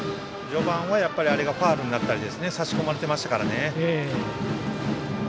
序盤はあれがファウルになったり差し込まれていましたから。